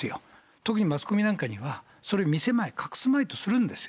特にマスコミなんかには、それ見せまい、隠すまいとするんですよ。